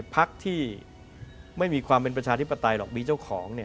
พักที่ไม่มีความเป็นประชาธิปไตยหรอกมีเจ้าของ